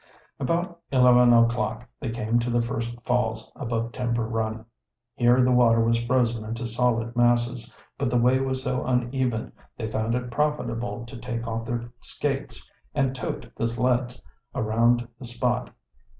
About eleven o'clock they came to the first falls above Timber Run. Here the water was frozen into solid masses, but the way was so uneven they found it profitable to take off their skates and "tote" the sleds around the spot.